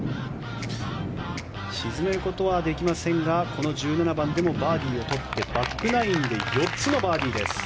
沈めることはできませんがこの１７番でもバーディーを取ってバックナインで４つのバーディーです。